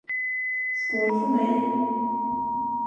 Skål för mig.